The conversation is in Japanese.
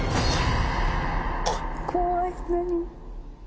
怖い何？